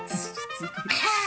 ああ！